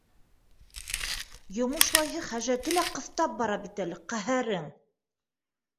Йомошлайһы хәжәте лә ҡыҫтап бара бит әле ҡәһәрең!..